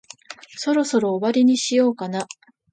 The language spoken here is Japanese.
そろそろ終わりにしようかな。